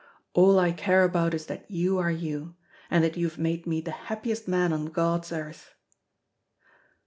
All I care about is that you are you, and that you have made me the happiest man on God's earth."